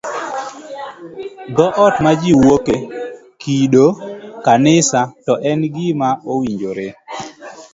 Dhoot ma jiwuoke, kido, kanisa, to be en gima owinjore?